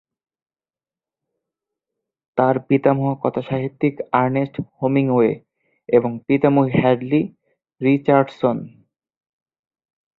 তার পিতামহ কথাসাহিত্যিক আর্নেস্ট হেমিংওয়ে এবং পিতামহী হ্যাডলি রিচার্ডসন।